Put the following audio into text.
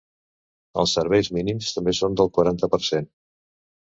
Els serveis mínims també són del quaranta per cent.